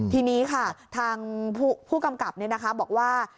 ทีนี้ค่ะทางผู้กำกับบอกว่า